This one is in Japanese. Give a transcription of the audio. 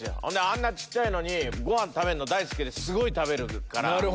ほんであんな小っちゃいのに食べるの大好きですごい食べる。